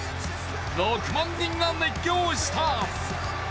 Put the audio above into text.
６万人が熱狂した。